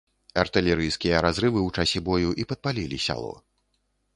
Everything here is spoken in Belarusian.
Артылерыйскія разрывы ў часе бою і падпалілі сяло.